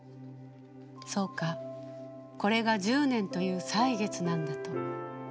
そうか、これが１０年という歳月なんだと。